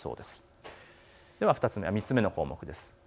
では３つ目の項目です。